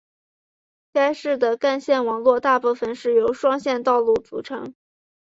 该市的干线网络大部分是由双线道路组成。